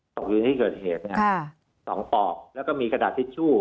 อยู่ที่เกิดเหตุ๒ปอกแล้วก็มีกระดาษทิชชู่